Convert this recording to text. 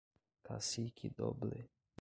Cacique Doble